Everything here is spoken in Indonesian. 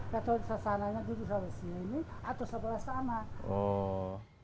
katanya sasananya dulu sampai sini atau sebelah sana